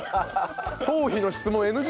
頭皮の質問ＮＧ？